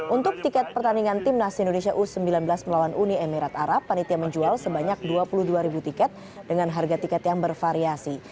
untuk tiket pertandingan timnas indonesia u sembilan belas melawan uni emirat arab panitia menjual sebanyak dua puluh dua ribu tiket dengan harga tiket yang bervariasi